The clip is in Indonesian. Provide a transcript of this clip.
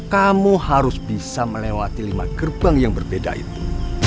kamu harus bisa melewati lima gerbang yang berbeda itu